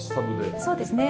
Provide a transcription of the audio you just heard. そうですね。